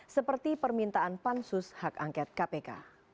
seperti permintaan pansus hak angket kpk